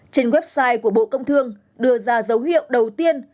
trên website của bộ công thương đưa ra dấu hiệu đầu tiên